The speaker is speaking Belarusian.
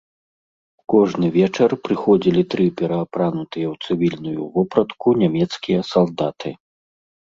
Кожны вечар прыходзілі тры пераапранутыя ў цывільную вопратку нямецкія салдаты.